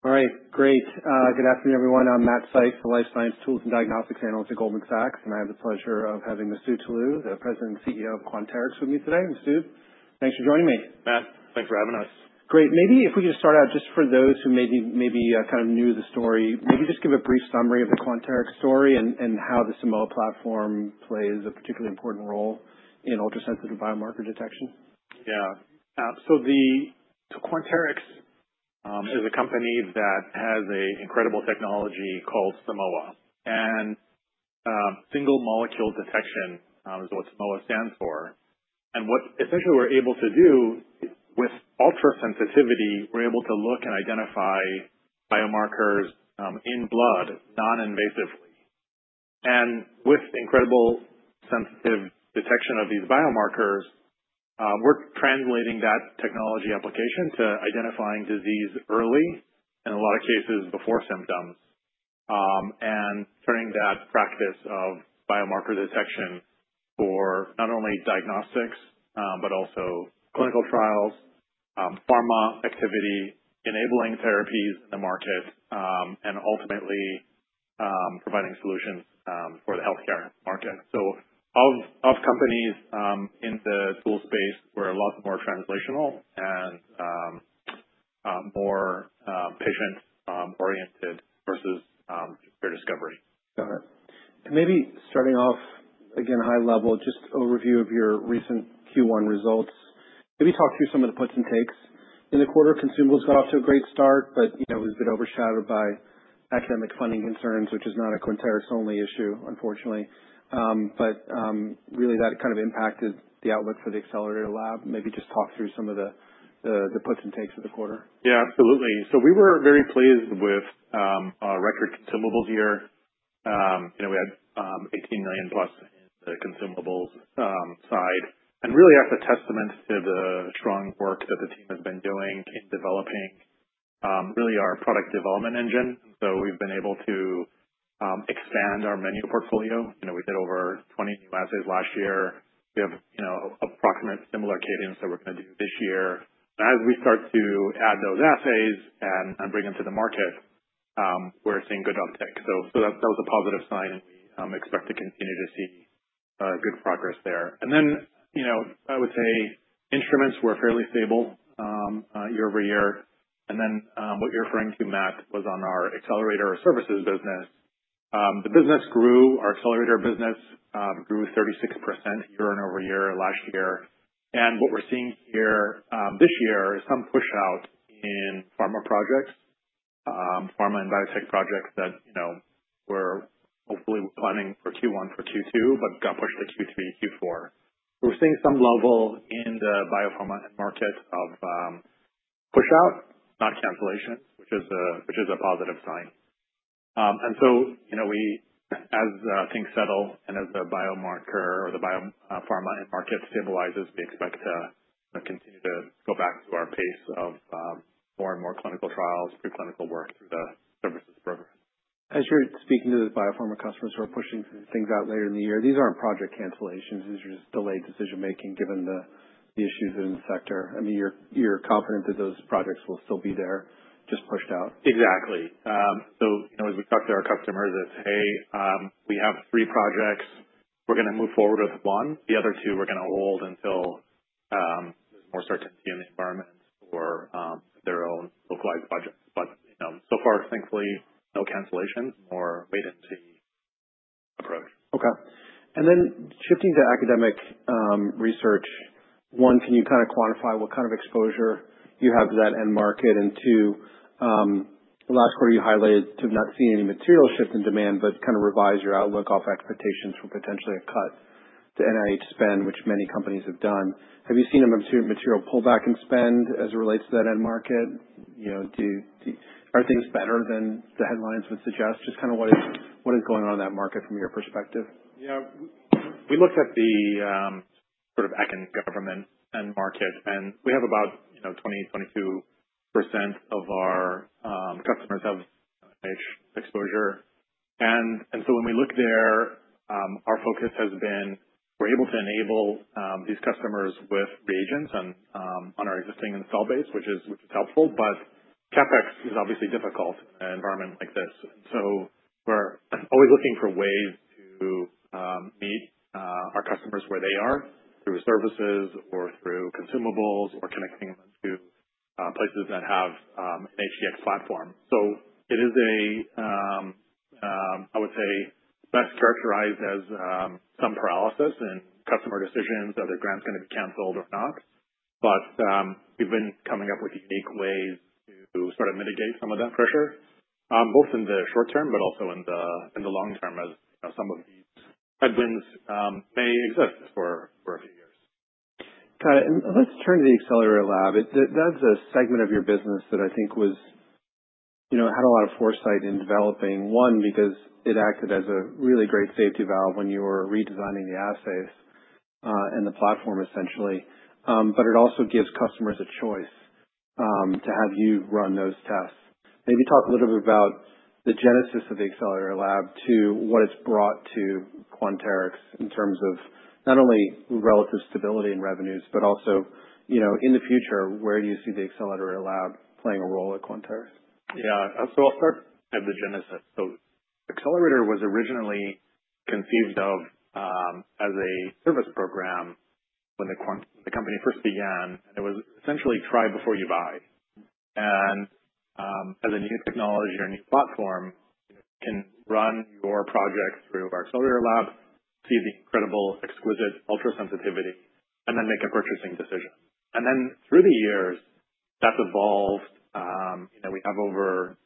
All right. Great. Good afternoon, everyone. I'm Matt Sykes, the Life Science Tools and Diagnostics Analyst at Goldman Sachs, and I have the pleasure of having Masoud Toloue, the President and CEO of Quanterix, with me today. Masoud, thanks for joining me. Matt, thanks for having us. Great. Maybe if we could just start out, just for those who maybe kind of knew the story, maybe just give a brief summary of the Quanterix story and how the Simoa platform plays a particularly important role in ultrasensitive biomarker detection. Yeah. Quanterix is a company that has an incredible technology called Simoa, and single molecule detection is what Simoa stands for. What essentially we're able to do with ultrasensitivity, we're able to look and identify biomarkers in blood non-invasively. With incredible sensitive detection of these biomarkers, we're translating that technology application to identifying disease early, in a lot of cases before symptoms, and turning that practice of biomarker detection for not only diagnostics but also clinical trials, pharma activity, enabling therapies in the market, and ultimately providing solutions for the healthcare market. Of companies in the tool space, we're a lot more translational and more patient-oriented versus discovery. Got it. Maybe starting off, again, high level, just overview of your recent Q1 results. Maybe talk through some of the puts and takes. In the quarter, consumables got off to a great start, but it was a bit overshadowed by academic funding concerns, which is not a Quanterix-only issue, unfortunately. That kind of impacted the outlook for the Accelerator Lab. Maybe just talk through some of the puts and takes of the quarter. Yeah, absolutely. We were very pleased with our record Consumables year. We had $18 million-plus in the Consumables side. That is a testament to the strong work that the team has been doing in developing really our product development engine. We have been able to expand our menu portfolio. We did over 20 new assays last year. We have approximate similar cadence that we are going to do this year. As we start to add those assays and bring them to the market, we are seeing good uptake. That was a positive sign, and we expect to continue to see good progress there. I would say instruments were fairly stable year over year. What you are referring to, Matt, was on our Accelerator Lab services business. The business grew, our Accelerator business grew 36% year-on-year last year. What we're seeing here this year is some push out in pharma projects, pharma and biotech projects that were hopefully planning for Q1 for Q2 but got pushed to Q3, Q4. We're seeing some level in the biopharma market of push out, not cancellation, which is a positive sign. As things settle and as the biomarker or the biopharma market stabilizes, we expect to continue to go back to our pace of more and more clinical trials, preclinical work through the services program. As you're speaking to the Biopharma customers who are pushing things out later in the year, these aren't project cancellations. These are just delayed decision-making given the issues in the sector. I mean, you're confident that those projects will still be there, just pushed out? Exactly. As we talk to our customers, it's, "Hey, we have three projects. We're going to move forward with one. The other two we're going to hold until there's more certainty in the environment for their own localized budgets." So far, thankfully, no cancellations, more wait-and-see approach. Okay. And then shifting to academic research, one, can you kind of quantify what kind of exposure you have to that end market? Two, last quarter, you highlighted you have not seen any material shift in demand but kind of revised your outlook off expectations for potentially a cut to NIH spend, which many companies have done. Have you seen a material pullback in spend as it relates to that end market? Are things better than the headlines would suggest? Just kind of what is going on in that market from your perspective? Yeah. We looked at the sort of academic and government end market, and we have about 20-22% of our customers have NIH exposure. When we look there, our focus has been we're able to enable these customers with reagents on our existing install base, which is helpful, but CapEx is obviously difficult in an environment like this. We're always looking for ways to meet our customers where they are through services or through consumables or connecting them to places that have an HDX platform. It is, I would say, best characterized as some paralysis in customer decisions, whether grants are going to be canceled or not. We have been coming up with unique ways to sort of mitigate some of that pressure, both in the short term but also in the long term as some of these headwinds may exist for a few years. Got it. Let's turn to the Accelerator Lab. That's a segment of your business that I think had a lot of foresight in developing, one, because it acted as a really great safety valve when you were redesigning the assays and the platform essentially, but it also gives customers a choice to have you run those tests. Maybe talk a little bit about the genesis of the Accelerator Lab to what it's brought to Quanterix in terms of not only relative stability and revenues but also, in the future, where do you see the Accelerator Lab playing a role at Quanterix? Yeah. I'll start at the genesis. Accelerator was originally conceived of as a service program when the company first began, and it was essentially try before you buy. As a new technology or new platform, you can run your project through our Accelerator Lab, see the incredible, exquisite ultrasensitivity, and then make a purchasing decision. Through the years, that's evolved. We have over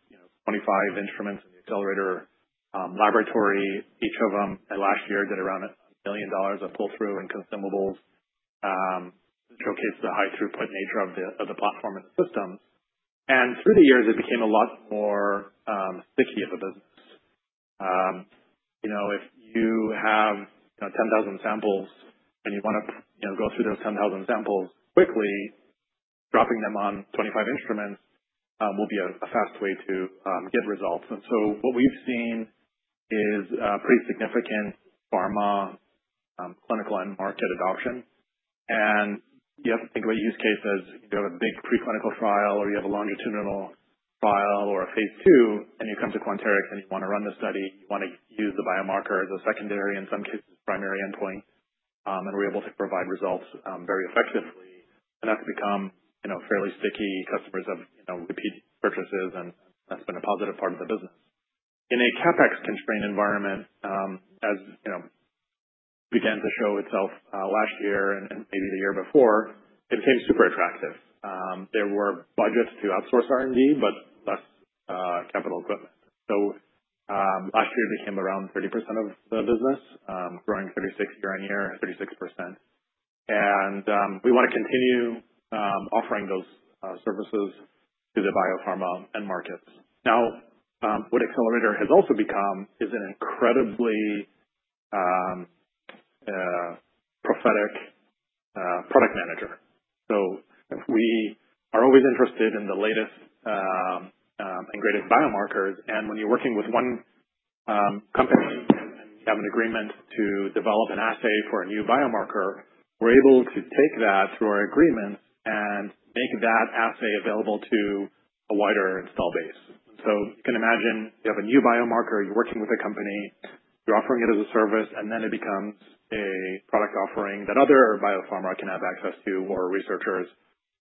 25 instruments in the Accelerator laboratory, each of them. Last year, did around $1 million of pull-through in consumables to showcase the high-throughput nature of the platform and the system. Through the years, it became a lot more sticky of a business. If you have 10,000 samples and you want to go through those 10,000 samples quickly, dropping them on 25 instruments will be a fast way to get results. What we've seen is pretty significant pharma clinical end market adoption. You have to think of a use case as you have a big preclinical trial or you have a longitudinal trial or a phase two, and you come to Quanterix and you want to run the study, you want to use the biomarker as a secondary, in some cases, primary endpoint, and we're able to provide results very effectively. That's become fairly sticky. Customers have repeat purchases, and that's been a positive part of the business. In a CapEx-constrained environment, as began to show itself last year and maybe the year before, it became super attractive. There were budgets to outsource R&D, but less capital equipment. Last year, it became around 30% of the business, growing 36% year-on-year, 36%. We want to continue offering those services to the Biopharma end markets. Now, what Accelerator has also become is an incredibly prophetic product manager. We are always interested in the latest and greatest biomarkers. When you're working with one company and you have an agreement to develop an assay for a new biomarker, we're able to take that through our agreements and make that assay available to a wider install base. You can imagine you have a new biomarker, you're working with a company, you're offering it as a service, and then it becomes a product offering that other biopharma can have access to or researchers.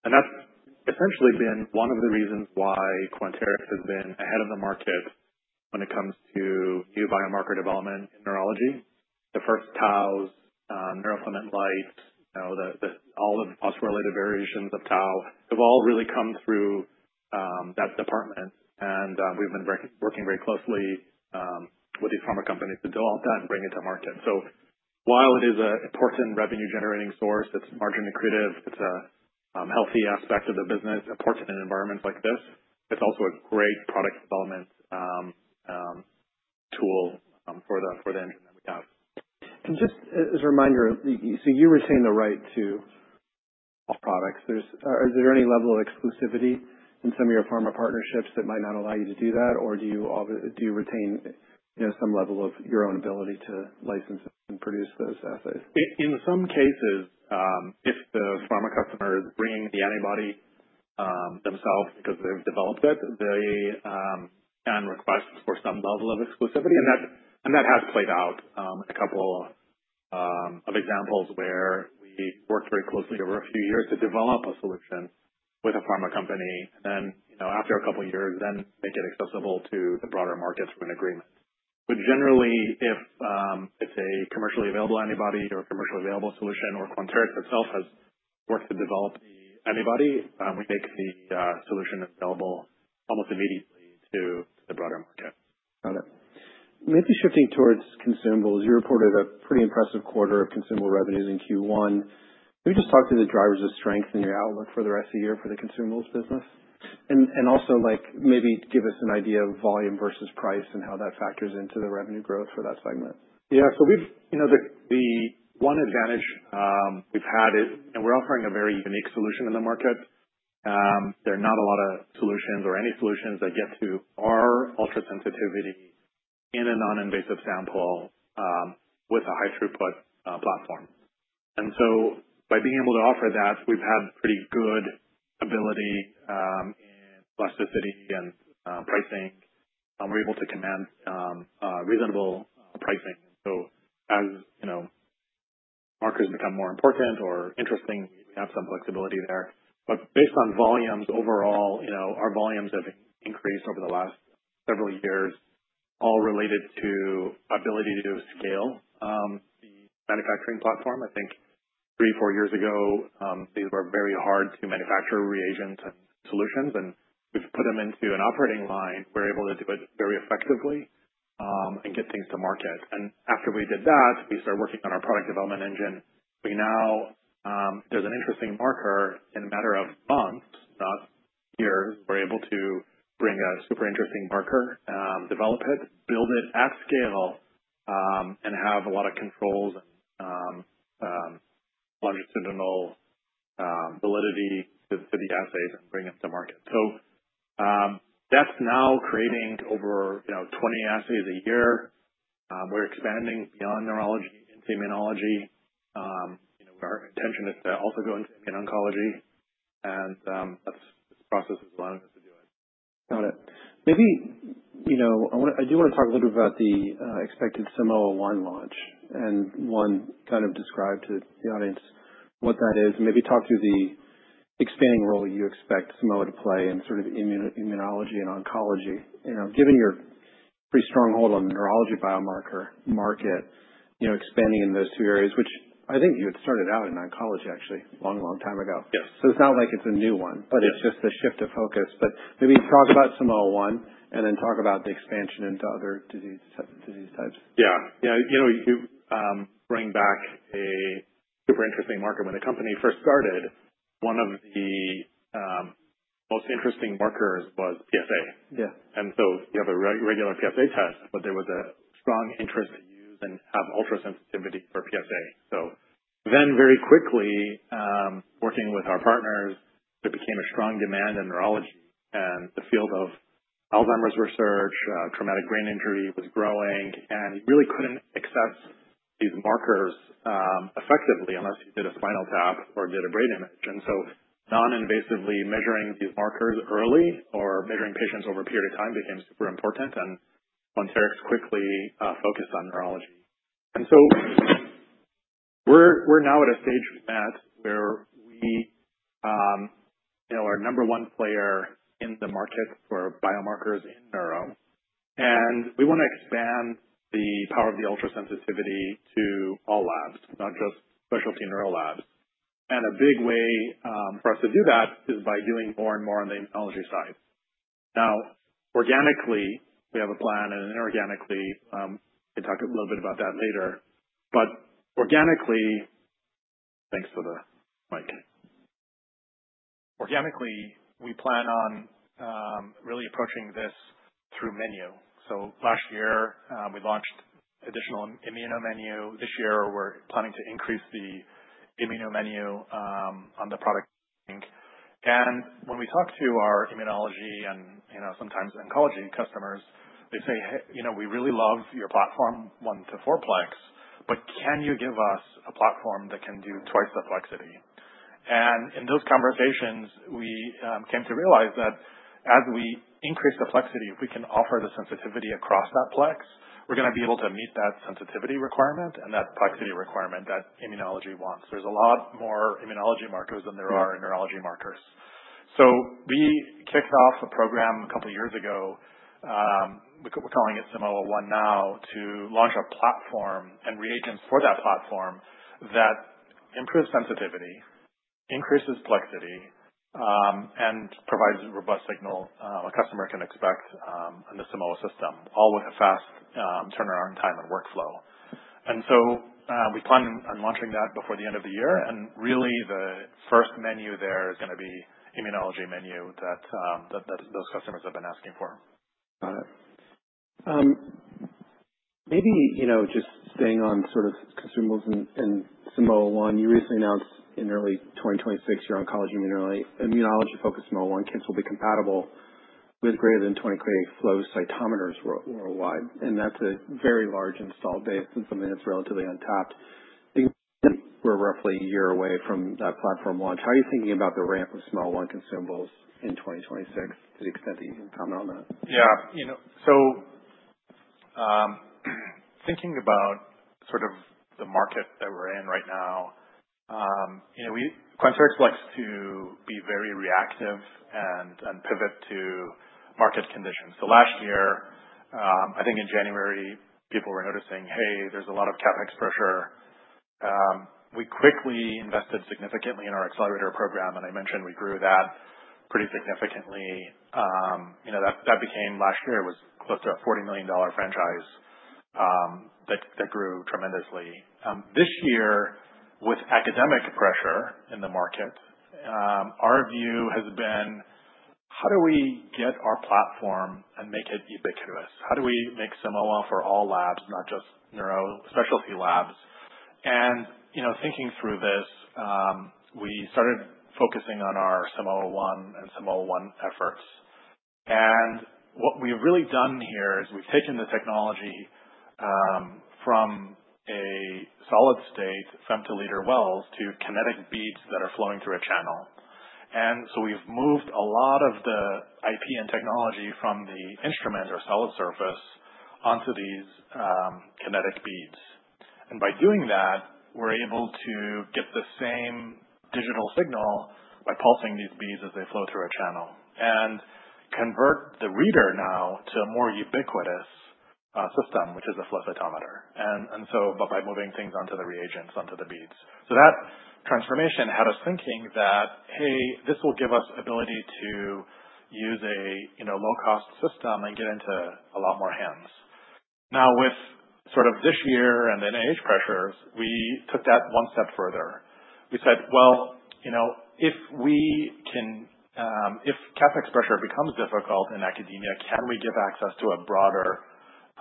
That has essentially been one of the reasons why Quanterix has been ahead of the market when it comes to new biomarker development in neurology. The first Tau's, Neurofilament Light, all the phospho-related variations of Tau have all really come through that department, and we've been working very closely with these pharma companies to develop that and bring it to market. While it is an important revenue-generating source, it's margin accretive, it's a healthy aspect of the business, important in environments like this, it's also a great product development tool for the engine that we have. Just as a reminder, so you retain the right to all products. Is there any level of exclusivity in some of your pharma partnerships that might not allow you to do that, or do you retain some level of your own ability to license and produce those assays? In some cases, if the pharma customer is bringing the antibody themselves because they've developed it, they can request for some level of exclusivity. That has played out in a couple of examples where we worked very closely over a few years to develop a solution with a pharma company. After a couple of years, we make it accessible to the broader market through an agreement. Generally, if it's a commercially available antibody or a commercially available solution or Quanterix itself has worked to develop the antibody, we make the solution available almost immediately to the broader market. Got it. Maybe shifting towards Consumables, you reported a pretty impressive quarter of Consumable revenues in Q1. Can we just talk through the drivers of strength in your outlook for the rest of the year for the Consumables business? Also maybe give us an idea of volume versus price and how that factors into the revenue growth for that segment. Yeah. The one advantage we've had is we're offering a very unique solution in the market. There are not a lot of solutions or any solutions that get to our ultrasensitivity in a non-invasive sample with a high-throughput platform. By being able to offer that, we've had pretty good ability in elasticity and pricing. We're able to command reasonable pricing. As markers become more important or interesting, we have some flexibility there. Based on volumes overall, our volumes have increased over the last several years, all related to ability to scale the manufacturing platform. I think three, four years ago, these were very hard to manufacture reagents and solutions. We've put them into an operating line. We're able to do it very effectively and get things to market. After we did that, we started working on our product development engine. There's an interesting marker in a matter of months, not years. We're able to bring a super interesting marker, develop it, build it at scale, and have a lot of controls and longitudinal validity to the assays and bring it to market. That's now creating over 20 assays a year. We're expanding beyond neurology into immunology. Our intention is to also go into immune oncology, and this process is allowing us to do it. Got it. Maybe I do want to talk a little bit about the expected One Launch and one, kind of describe to the audience what that is and maybe talk through the expanding role you expect Simoa to play in sort of immunology and oncology. Given your pretty strong hold on the neurology biomarker market, expanding in those two areas, which I think you had started out in oncology actually a long, long time ago. It's not like it's a new one, but it's just a shift of focus. Maybe talk about Simoa One and then talk about the expansion into other disease types. Yeah. Yeah. You bring back a super interesting marker. When the company first started, one of the most interesting markers was PSA. And so you have a regular PSA test, but there was a strong interest to use and have ultrasensitivity for PSA. So then very quickly, working with our partners, there became a strong demand in neurology and the field of Alzheimer's research, traumatic brain injury was growing, and you really could not access these markers effectively unless you did a spinal tap or did a brain image. Non-invasively measuring these markers early or measuring patients over a period of time became super important, and Quanterix quickly focused on neurology. We are now at a stage with that where we are number one player in the market for biomarkers in neuro. We want to expand the power of the ultrasensitivity to all labs, not just specialty neuro labs. A big way for us to do that is by doing more and more on the immunology side. Now, organically, we have a plan, and inorganically, we can talk a little bit about that later. Organically, thanks for the mic. Organically, we plan on really approaching this through menu. Last year, we launched additional immuno menu. This year, we're planning to increase the immuno menu on the product. When we talk to our immunology and sometimes oncology customers, they say, "We really love your platform, one to four plex, but can you give us a platform that can do twice the plexity?" In those conversations, we came to realize that as we increase the plexity, if we can offer the sensitivity across that plex, we're going to be able to meet that sensitivity requirement and that plexity requirement that immunology wants. There are a lot more immunology markers than there are neurology markers. We kicked off a program a couple of years ago. We're calling it Simoa One now to launch a platform and reagents for that platform that improves sensitivity, increases plexity, and provides a robust signal a customer can expect on the Simoa system, all with a fast turnaround time and workflow. We plan on launching that before the end of the year. Really, the first menu there is going to be immunology menu that those customers have been asking for. Got it. Maybe just staying on sort of Consumables and Simoa One, you recently announced in early 2026 your oncology immunology-focused Simoa One kits will be compatible with greater than 20 commercial flow cytometers worldwide. That is a very large install base and something that is relatively untapped. I think we are roughly a year away from that platform launch. How are you thinking about the ramp of Simoa One Consumables in 2026 to the extent that you can comment on that? Yeah. So thinking about sort of the market that we're in right now, Quanterix likes to be very reactive and pivot to market conditions. Last year, I think in January, people were noticing, "Hey, there's a lot of CapEx pressure." We quickly invested significantly in our Accelerator program, and I mentioned we grew that pretty significantly. That became last year was close to a $40 million franchise that grew tremendously. This year, with academic pressure in the market, our view has been, "How do we get our platform and make it ubiquitous? How do we make Simoa One for all labs, not just neuro specialty labs?" Thinking through this, we started focusing on our Simoa One and Simoa One efforts. What we've really done here is we've taken the technology from a solid-state femtoliter wells to kinetic beads that are flowing through a channel. We have moved a lot of the IP and technology from the instrument or solid surface onto these kinetic beads. By doing that, we are able to get the same digital signal by pulsing these beads as they flow through a channel and convert the reader now to a more ubiquitous system, which is a flow cytometer. By moving things onto the reagents, onto the beads, that transformation had us thinking that, "Hey, this will give us the ability to use a low-cost system and get into a lot more hands." Now, with sort of this year and NIH pressures, we took that one step further. We said, "If CapEx pressure becomes difficult in academia, can we give access to a broader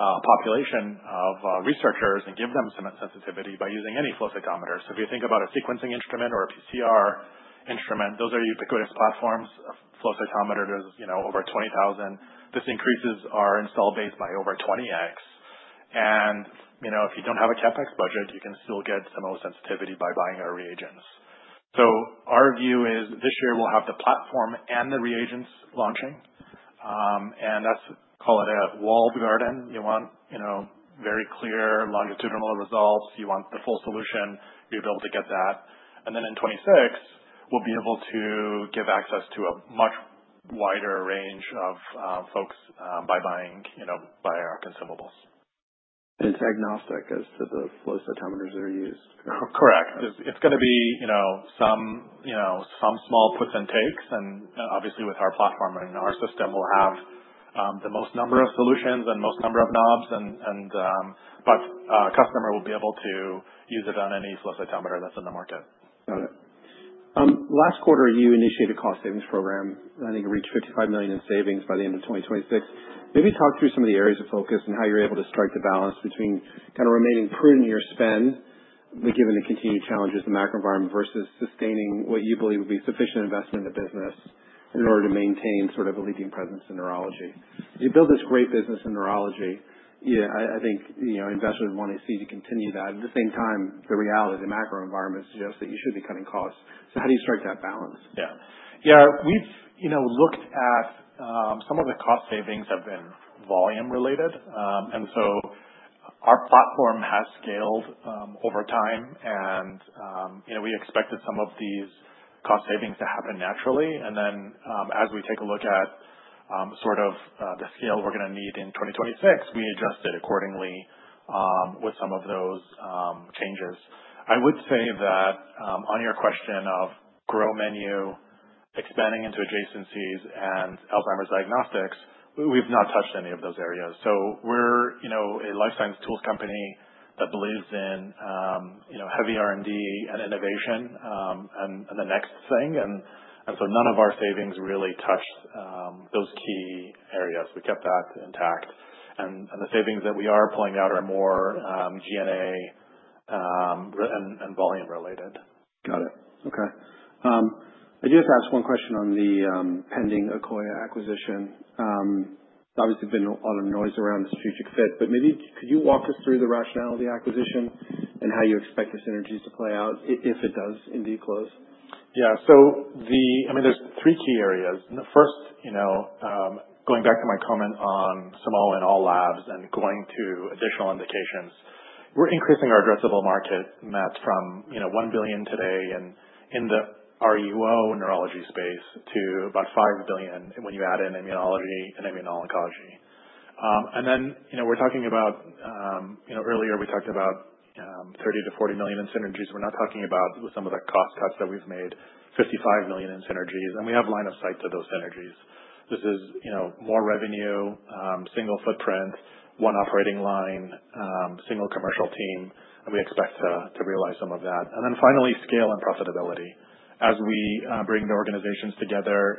population of researchers and give them Simoa sensitivity by using any flow cytometer?" If you think about a sequencing instrument or a PCR instrument, those are ubiquitous platforms. Flow cytometer is over 20,000. This increases our install base by over 20x. If you do not have a CapEx budget, you can still get some of the sensitivity by buying our reagents. Our view is this year we will have the platform and the reagents launching. That is called a walled garden. You want very clear longitudinal results. You want the full solution. You will be able to get that. In 2026, we will be able to give access to a much wider range of folks by buying our consumables. It is agnostic as to the flow cytometers that are used. Correct. It's going to be some small puts and takes. Obviously, with our platform and our system, we'll have the most number of solutions and most number of knobs, but a customer will be able to use it on any flow cytometer that's in the market. Got it. Last quarter, you initiated a cost savings program. I think it reached $55 million in savings by the end of 2026. Maybe talk through some of the areas of focus and how you're able to strike the balance between kind of remaining prudent in your spend, given the continued challenges in the macro environment, versus sustaining what you believe would be sufficient investment in the business in order to maintain sort of a leading presence in neurology. You build this great business in neurology. I think investors want to see you continue that. At the same time, the reality of the macro environment suggests that you should be cutting costs. How do you strike that balance? Yeah. Yeah. We've looked at some of the cost savings have been volume-related. Our platform has scaled over time, and we expected some of these cost savings to happen naturally. As we take a look at sort of the scale we're going to need in 2026, we adjusted accordingly with some of those changes. I would say that on your question of grow menu, expanding into adjacencies, and Alzheimer's diagnostics, we've not touched any of those areas. We're a life science tools company that believes in heavy R&D and innovation and the next thing. None of our savings really touched those key areas. We kept that intact. The savings that we are pulling out are more GNA and volume-related. Got it. Okay. I do have to ask one question on the pending Akoya acquisition. Obviously, there's been a lot of noise around the strategic fit, but maybe could you walk us through the rationale of the acquisition and how you expect the synergies to play out if it does indeed close? Yeah. I mean, there's three key areas. First, going back to my comment on Simoa and all labs and going to additional indications, we're increasing our addressable market from $1 billion today in the RUO neurology space to about $5 billion when you add in immunology and immuno-oncology. Earlier, we talked about $30 million-$40 million in synergies. We're not talking about some of the cost cuts that we've made, $55 million in synergies. We have line of sight to those synergies. This is more revenue, single footprint, one operating line, single commercial team, and we expect to realize some of that. Finally, scale and profitability. As we bring the organizations together,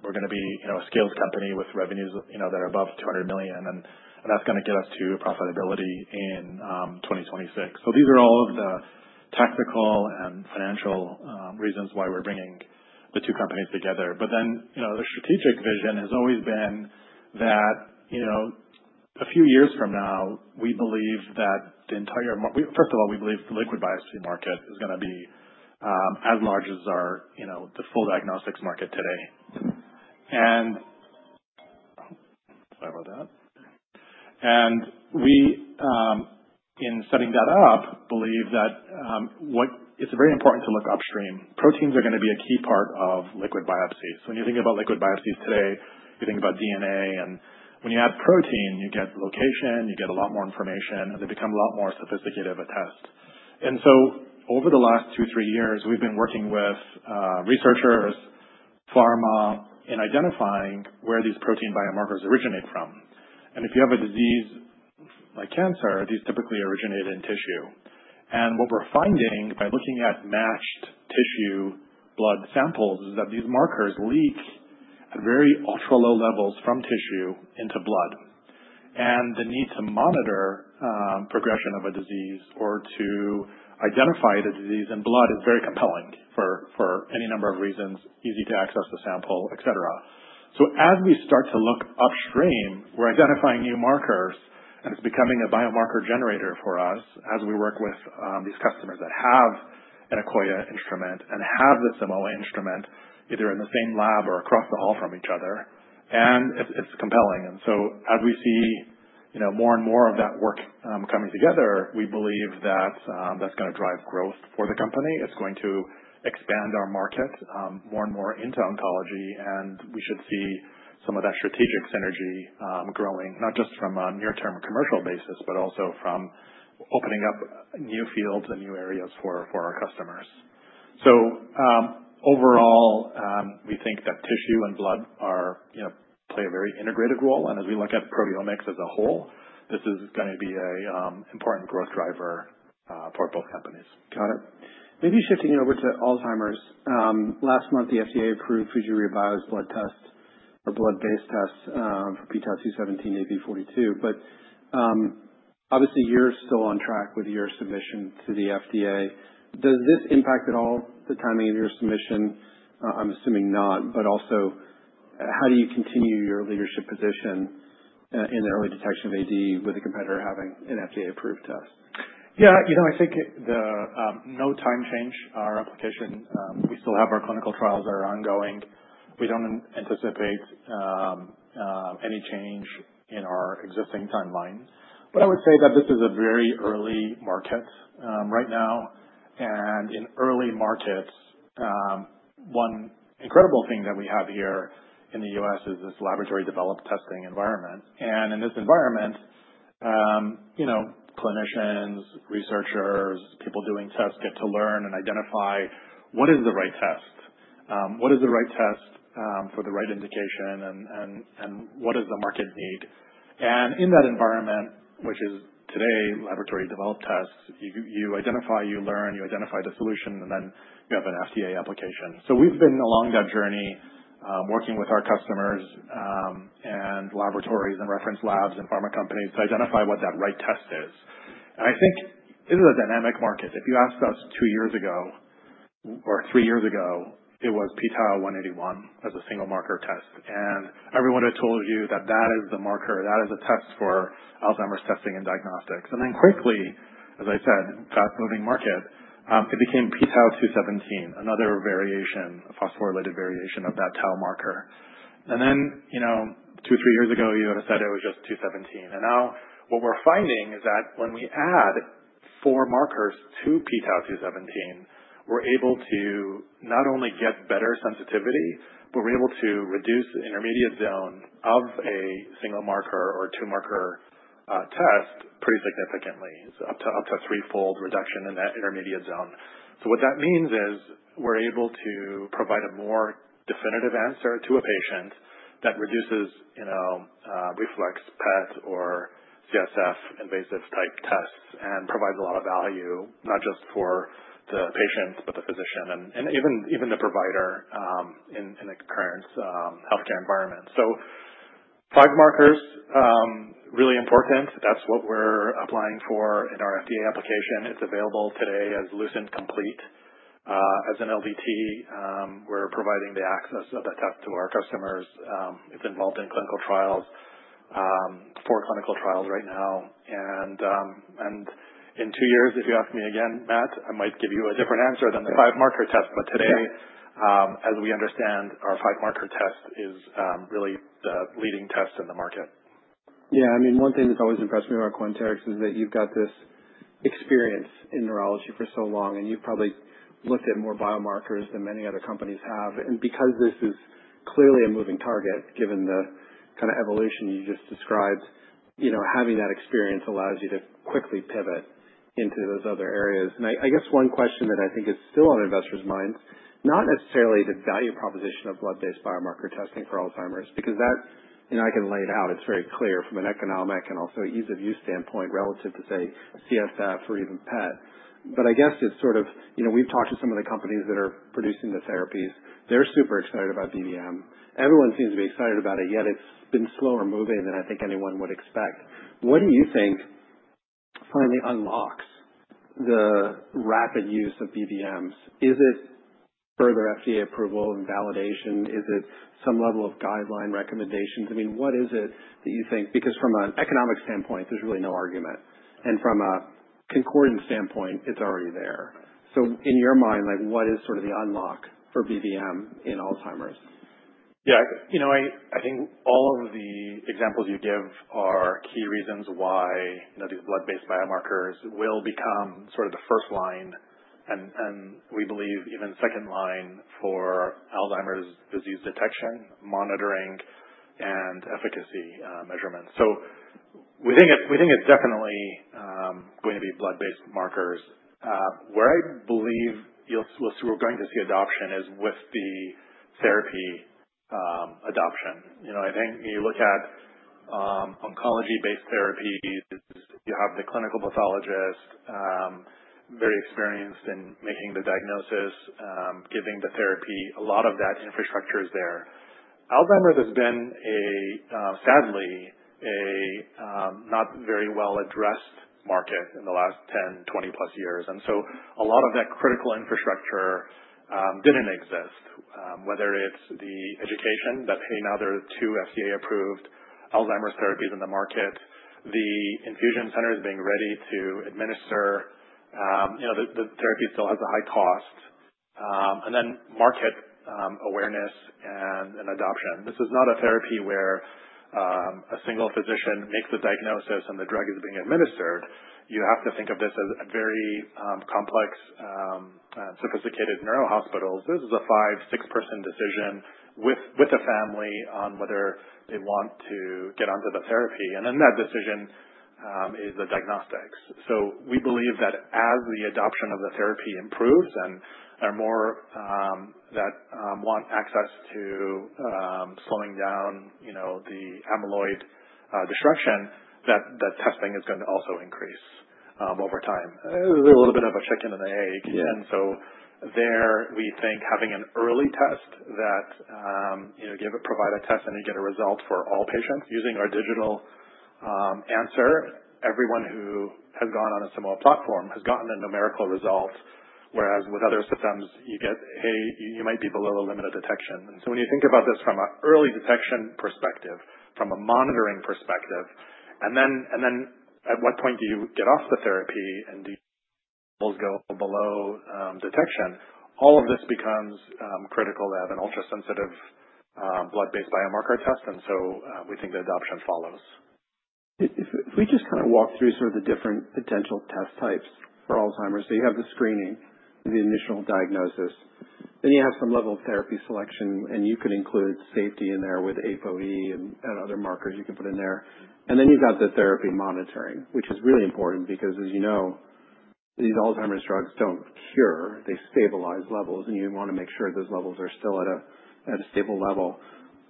we're going to be a scaled company with revenues that are above $200 million, and that's going to get us to profitability in 2026. These are all of the tactical and financial reasons why we're bringing the two companies together. The strategic vision has always been that a few years from now, we believe that the entire—first of all, we believe the liquid biopsy market is going to be as large as the full diagnostics market today. Sorry about that. In setting that up, we believe that it's very important to look upstream. Proteins are going to be a key part of liquid biopsies. When you think about liquid biopsies today, you think about DNA. When you add protein, you get location, you get a lot more information, and they become a lot more sophisticated of a test. Over the last two, three years, we've been working with researchers, pharma in identifying where these protein biomarkers originate from. If you have a disease like cancer, these typically originate in tissue. What we're finding by looking at matched tissue blood samples is that these markers leak at very ultra-low levels from tissue into blood. The need to monitor progression of a disease or to identify the disease in blood is very compelling for any number of reasons, easy to access the sample, etc. As we start to look upstream, we're identifying new markers, and it's becoming a biomarker generator for us as we work with these customers that have an Akoya instrument and have the Simoa instrument either in the same lab or across the hall from each other. It's compelling. As we see more and more of that work coming together, we believe that that's going to drive growth for the company. It's going to expand our market more and more into oncology, and we should see some of that strategic synergy growing, not just from a near-term commercial basis, but also from opening up new fields and new areas for our customers. Overall, we think that tissue and blood play a very integrated role. As we look at proteomics as a whole, this is going to be an important growth driver for both companies. Got it. Maybe shifting over to Alzheimer's. Last month, the FDA approved Fujirebio's blood test or blood-based test for Aβ42. But obviously, you're still on track with your submission to the FDA. Does this impact at all the timing of your submission? I'm assuming not. But also, how do you continue your leadership position in the early detection of AD with a competitor having an FDA-approved test? Yeah. I think no time change our application. We still have our clinical trials that are ongoing. We do not anticipate any change in our existing timeline. I would say that this is a very early market right now. In early markets, one incredible thing that we have here in the U.S. is this laboratory-developed testing environment. In this environment, clinicians, researchers, people doing tests get to learn and identify what is the right test, what is the right test for the right indication, and what does the market need. In that environment, which is today laboratory-developed tests, you identify, you learn, you identify the solution, and then you have an FDA application. We have been along that journey working with our customers and laboratories and reference labs and pharma companies to identify what that right test is. I think this is a dynamic market. If you asked us two years ago or three years ago, it was pTau181 as a single marker test. Everyone had told you that that is the marker, that is a test for Alzheimer's testing and diagnostics. Quickly, as I said, fast-moving market, it became p-Tau 217, another variation, a phosphorylated variation of that Tau marker. Two, three years ago, you would have said it was just 217. Now what we're finding is that when we add four markers to p-Tau 217, we're able to not only get better sensitivity, but we're able to reduce the intermediate zone of a single marker or two-marker test pretty significantly. It's up to threefold reduction in that intermediate zone. What that means is we're able to provide a more definitive answer to a patient that reduces reflex PET or CSF invasive-type tests and provides a lot of value, not just for the patient, but the physician and even the provider in the current healthcare environment. Five markers, really important. That's what we're applying for in our FDA application. It's available today as LucentAD Complete as an LDT. We're providing the access of that test to our customers. It's involved in clinical trials, four clinical trials right now. In two years, if you ask me again, Matt, I might give you a different answer than the five-marker test. Today, as we understand, our five-marker test is really the leading test in the market. Yeah. I mean, one thing that's always impressed me about Quanterix is that you've got this experience in neurology for so long, and you've probably looked at more biomarkers than many other companies have. Because this is clearly a moving target, given the kind of evolution you just described, having that experience allows you to quickly pivot into those other areas. I guess one question that I think is still on investors' minds, not necessarily the value proposition of blood-based biomarker testing for Alzheimer's, because that, and I can lay it out, it's very clear from an economic and also ease-of-use standpoint relative to, say, CSF or even PET. I guess it's sort of we've talked to some of the companies that are producing the therapies. They're super excited about BBM. Everyone seems to be excited about it, yet it's been slower moving than I think anyone would expect. What do you think finally unlocks the rapid use of BBMs? Is it further FDA approval and validation? Is it some level of guideline recommendations? I mean, what is it that you think? Because from an economic standpoint, there's really no argument. And from a concordant standpoint, it's already there. So in your mind, what is sort of the unlock for BBM in Alzheimer's? Yeah. I think all of the examples you give are key reasons why these blood-based biomarkers will become sort of the first line, and we believe even second line for Alzheimer's disease detection, monitoring, and efficacy measurements. We think it's definitely going to be blood-based markers. Where I believe we're going to see adoption is with the therapy adoption. I think when you look at oncology-based therapies, you have the clinical pathologist, very experienced in making the diagnosis, giving the therapy. A lot of that infrastructure is there. Alzheimer's has been, sadly, a not very well-addressed market in the last 10, 20-plus years. A lot of that critical infrastructure didn't exist, whether it's the education that, hey, now there are two FDA-approved Alzheimer's therapies in the market, the infusion centers being ready to administer. The therapy still has a high cost. And then market awareness and adoption. This is not a therapy where a single physician makes the diagnosis and the drug is being administered. You have to think of this as a very complex and sophisticated neuro hospital. This is a five- or six-person decision with a family on whether they want to get onto the therapy. That decision is the diagnostics. We believe that as the adoption of the therapy improves and there are more that want access to slowing down the amyloid destruction, testing is going to also increase over time. It's a little bit of a chicken and an egg. We think having an early test that you provide a test and you get a result for all patients. Using our digital answer, everyone who has gone on a similar platform has gotten a numerical result, whereas with other systems, you get, hey, you might be below a limit of detection. When you think about this from an early detection perspective, from a monitoring perspective, and then at what point do you get off the therapy and do you go below detection, all of this becomes critical to have an ultrasensitive blood-based biomarker test. We think the adoption follows. If we just kind of walk through sort of the different potential test types for Alzheimer's. You have the screening, the initial diagnosis. Then you have some level of therapy selection, and you could include safety in there with ApoE and other markers you can put in there. You have the therapy monitoring, which is really important because, as you know, these Alzheimer's drugs do not cure. They stabilize levels, and you want to make sure those levels are still at a stable level.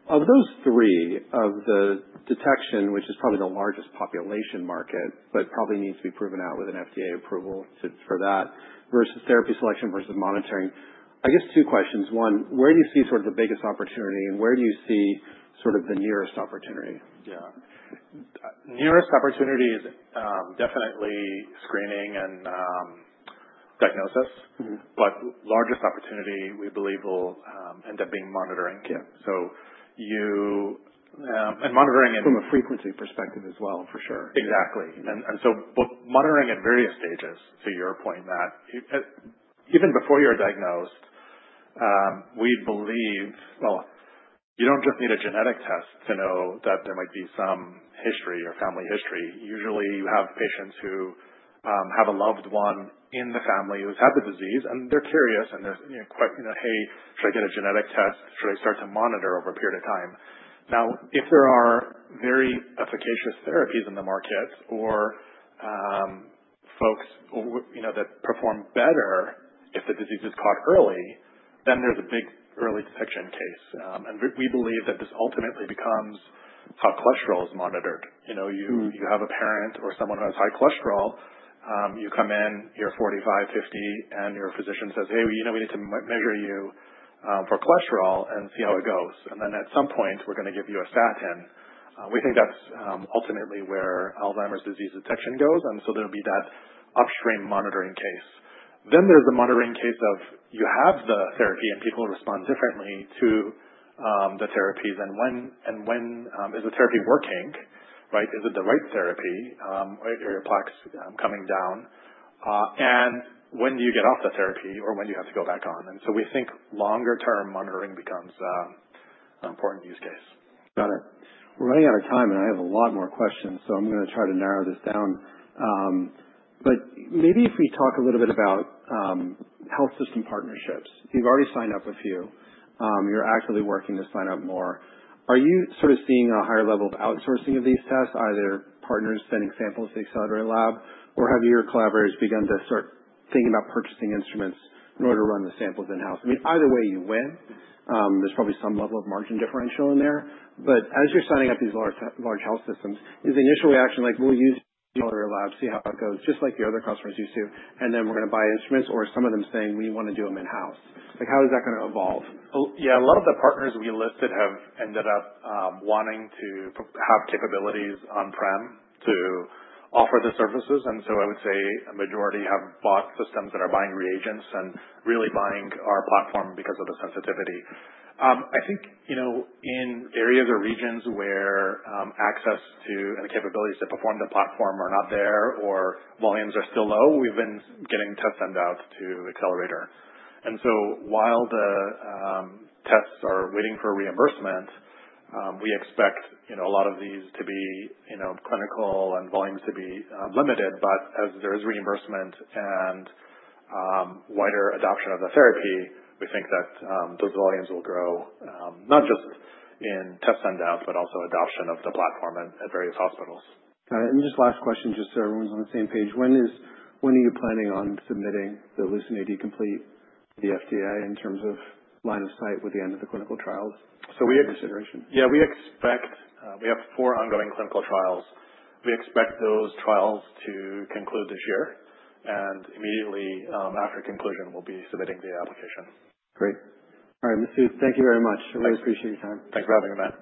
Of those three, of the detection, which is probably the largest population market, but probably needs to be proven out with an FDA approval for that, versus therapy selection versus monitoring, I guess two questions. One, where do you see sort of the biggest opportunity, and where do you see sort of the nearest opportunity? Yeah. Nearest opportunity is definitely screening and diagnosis. The largest opportunity, we believe, will end up being monitoring. And monitoring. From a frequency perspective as well, for sure. Exactly. Monitoring at various stages, to your point, Matt, even before you're diagnosed, we believe you don't just need a genetic test to know that there might be some history or family history. Usually, you have patients who have a loved one in the family who's had the disease, and they're curious, and they're quite, hey, should I get a genetic test? Should I start to monitor over a period of time? Now, if there are very efficacious therapies in the market or folks that perform better if the disease is caught early, then there's a big early detection case. We believe that this ultimately becomes how cholesterol is monitored. You have a parent or someone who has high cholesterol. You come in, you're 45, 50, and your physician says, hey, we need to measure you for cholesterol and see how it goes. At some point, we're going to give you a statin. We think that's ultimately where Alzheimer's disease detection goes. There will be that upstream monitoring case. Then there's a monitoring case of you have the therapy, and people respond differently to the therapies. When is the therapy working, right? Is it the right therapy? Are your plaques coming down? When do you get off the therapy or when do you have to go back on? We think longer-term monitoring becomes an important use case. Got it. We're running out of time, and I have a lot more questions, so I'm going to try to narrow this down. Maybe if we talk a little bit about health system partnerships. You've already signed up a few. You're actively working to sign up more. Are you sort of seeing a higher level of outsourcing of these tests, either partners sending samples to the Accelerator Lab, or have your collaborators begun to start thinking about purchasing instruments in order to run the samples in-house? I mean, either way, you win. There's probably some level of margin differential in there. As you're signing up these large health systems, is the initial reaction like, we'll use your lab, see how it goes, just like your other customers used to, and then we're going to buy instruments, or are some of them saying we want to do them in-house? How is that going to evolve? Yeah. A lot of the partners we listed have ended up wanting to have capabilities on-prem to offer the services. I would say a majority have bought systems that are buying reagents and really buying our platform because of the sensitivity. I think in areas or regions where access to and the capabilities to perform the platform are not there or volumes are still low, we've been getting tests sent out to Accelerator. While the tests are waiting for reimbursement, we expect a lot of these to be clinical and volumes to be limited. As there is reimbursement and wider adoption of the therapy, we think that those volumes will grow, not just in tests sent out, but also adoption of the platform at various hospitals. Got it. Just last question, just so everyone's on the same page. When are you planning on submitting the LucentAD Complete to the FDA in terms of line of sight with the end of the clinical trials? So we. Consideration? Yeah. We have four ongoing clinical trials. We expect those trials to conclude this year. Immediately after conclusion, we'll be submitting the application. Great. All right. Masoud, thank you very much. I really appreciate your time. Thanks for having me, Matt.